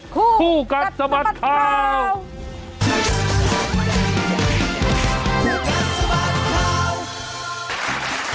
คู่กัดสะบัดข่าว